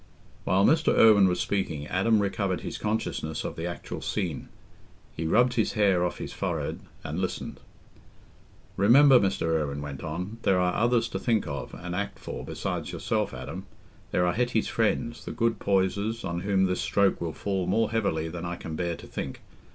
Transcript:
While Mr. Irwine was speaking, Adam recovered his consciousness of the actual scene. He rubbed his hair off his forehead and listened. "Remember," Mr. Irwine went on, "there are others to think of, and act for, besides yourself, Adam: there are Hetty's friends, the good Poysers, on whom this stroke will fall more heavily than I can bear to think.